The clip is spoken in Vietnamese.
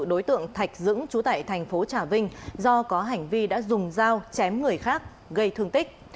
đối tượng thạch dũng trú tại thành phố trà vinh do có hành vi đã dùng dao chém người khác gây thương tích